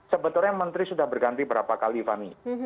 sebetulnya menteri sudah berganti berapa kali fani